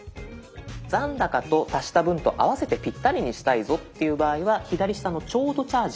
残高と足した分と合わせてぴったりにしたいぞっていう場合は左下の「ちょうどチャージ」。